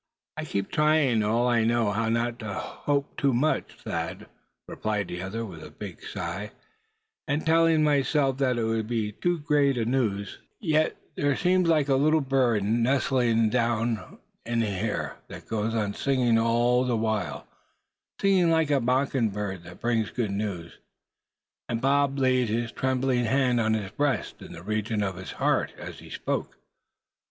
"I keep trying all I know how not to hope too much, Thad," replied the other, with a big sigh; "and tellin' myself that it would be too great news; yet, seems like there was a little bird nestlin' away down in here, that goes on singin' all the while, singin' like a mockingbird that brings good news," and Bob laid a trembling hand on his breast in the region of his heart, as he spoke.